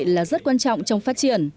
là rất quan trọng trong phát triển